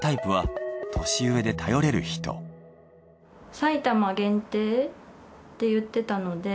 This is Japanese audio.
埼玉限定って言ってたので。